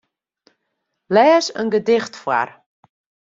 Lês in gedicht foar.